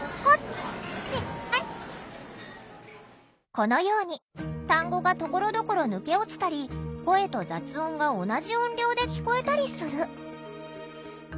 このように単語がところどころ抜け落ちたり声と雑音が同じ音量で聞こえたりする。